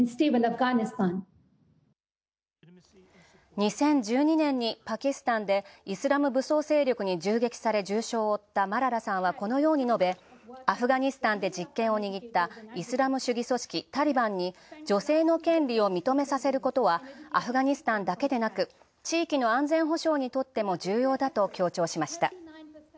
２０１２年にパキスタンで、イスラム武装勢力に銃撃され、重傷を負ったマララさんはこのように述べアフガニスタンで実権を握ったイスラム主義組織タリバンに、女性の権利を認めさせることはアフガニスタンだけでなく、地域の安全保障にとっても重要だと強調しました。